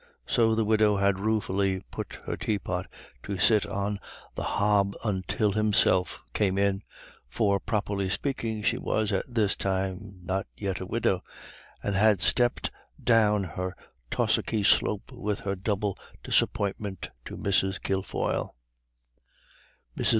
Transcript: So the widow had ruefully put her teapot to sit on the hob until himself came in for, properly speaking, she was at this time not yet a widow and had stepped down her tussocky slope with her double disappointment to Mrs. Kilfoyle. Mrs.